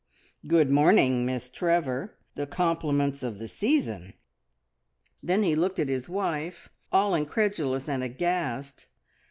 "Good morning, Miss Trevor. The compliments of the season." Then he looked at his wife, all incredulous and aghast.